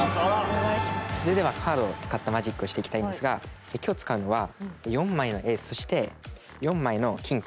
それではカードを使ったマジックをしていきたいんですが今日使うのは４枚のエースそして４枚のキング。